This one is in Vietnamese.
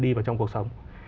đi vào trong cuộc sống